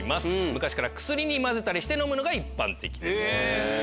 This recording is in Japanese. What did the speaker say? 昔から薬に混ぜたりして飲むのが一般的です。